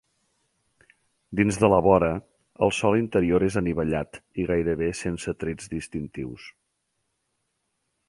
Dins de la vora, el sòl interior és anivellat i gairebé sense trets distintius.